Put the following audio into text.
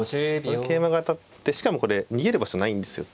桂馬が当たってしかもこれ逃げる場所ないんですよ。